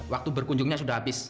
waktu berkunjungnya sudah habis